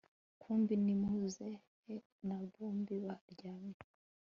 kumbi ni muzehe na bobi baryamye